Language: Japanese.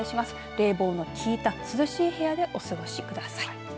冷房の効いた涼しい部屋でお過ごしください。